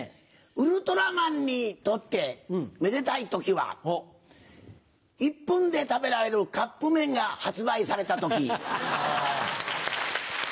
ウルトラマンにとってめでたい時は１分で食べられるカップ麺が発売された時。